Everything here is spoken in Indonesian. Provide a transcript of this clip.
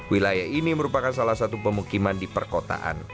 wilayah ini merupakan salah satu pemukiman di perkotaan